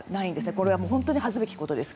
これは本当に恥ずべきことですが。